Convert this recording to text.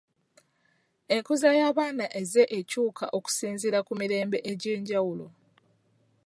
Enkuza y'abaana ezze ekyuka okusinziira ku mirembe egy'enjawulo.